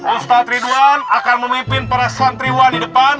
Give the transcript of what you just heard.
ustadz ridwan akan memimpin para santriwan di depan